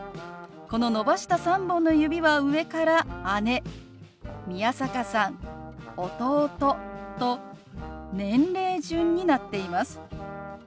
この伸ばした３本の指は上から姉宮坂さん弟と年齢順になっています。